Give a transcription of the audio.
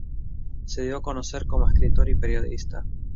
Se dio a conocer como escritor y periodista.